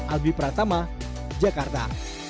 albi pratama jakarta